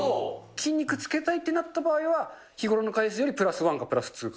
筋肉つけたいってなった場合は、日ごろの回数よりプラスワンかプラスツーか。